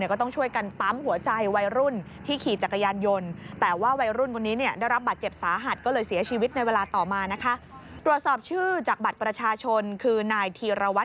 ก็ต้องช่วยกันปั๊มหัวใจวัยรุ่นที่ขี่จักรยานยนต์